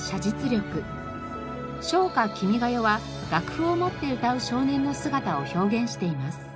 『唱歌君ヶ代』は楽譜を持って歌う少年の姿を表現しています。